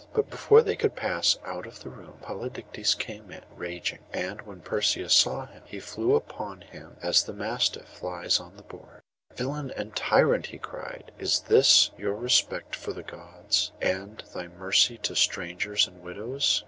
But before they could pass out of the room Polydectes came in, raging. And when Perseus saw him, he flew upon him as the mastiff flies on the boar. 'Villain and tyrant!' he cried; 'is this your respect for the Gods, and thy mercy to strangers and widows?